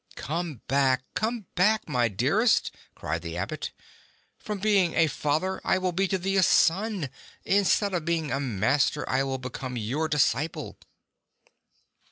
"Come back, come back, my dearest!" cried the Abbot. "From being a father, I will be to thee a son : instead of being a master, I will become your disciple."